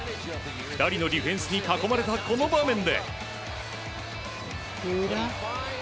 ２人のディフェンスに囲まれたこの場面で。